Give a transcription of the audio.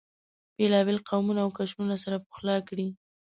بېلابېل قومونه او قشرونه سره پخلا کړي.